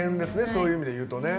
そういう意味でいうとね。